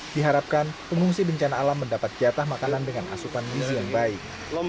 diharapkan pengungsi bencana alam mendapat jatah makanan dengan asupan gizi yang baik